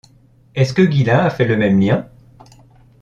Est-ce que Ghislain a fait le même lien ?